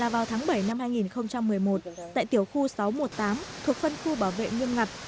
vào tháng bảy năm hai nghìn một mươi một tại tiểu khu sáu trăm một mươi tám thuộc phân khu bảo vệ nghiêm ngặt